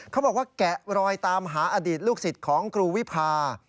เขาบอกว่าแกะรอยตามหาอดีตลูกศิษย์ของครูวิพา